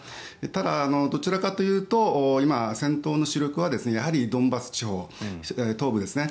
ただ、どちらかというと今、戦闘の主力はやはりドンバス地方東部ですね。